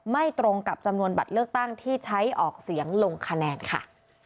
ไม่ตรงกับจำนวนบัตรเลือกตั้งที่ใช้ออกเสียงลงคะแนนค่ะ